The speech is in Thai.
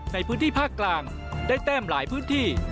ในพื้นที่ภาคกลางได้แต้มหลายพื้นที่